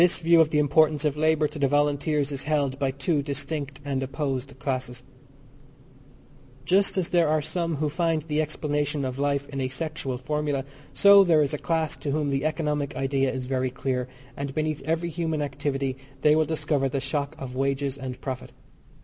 This view of the importance of labour to the Volunteers is held by two distinct and opposed classes. Just as there are some who find the explanation of life in a sexual formula, so there is a class to whom the economic idea is very dear, and beneath every human activity they will discover the shock of wages and profit.